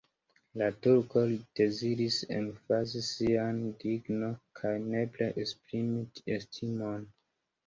La turko deziris emfazi sian dignon kaj nepre esprimi estimon.